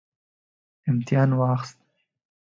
امتحان واخیست